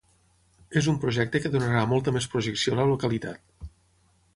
És un projecte que donarà molta més projecció a la localitat.